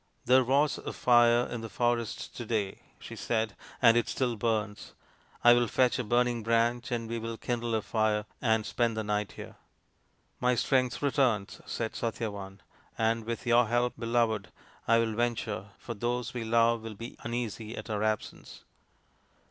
" There was a fire in the forest to day," she said, " and it still burns. I will fetch a burning branch, and we will kindle a fire and spend the night here." " My strength returns," said Satyavan, " and with your help, beloved, I will venture ; for those we love will be uneasy at our absence."